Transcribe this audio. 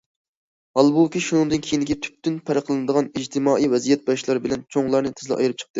ھالبۇكى، شۇنىڭدىن كېيىنكى تۈپتىن پەرقلىنىدىغان ئىجتىمائىي ۋەزىيەت ياشلار بىلەن چوڭلارنى تېزلا ئايرىپ چىقتى.